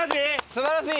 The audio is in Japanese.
素晴らしい！